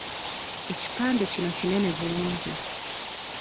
Ekipande kino kinene bulungi.